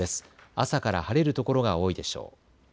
朝から晴れるところが多いでしょう。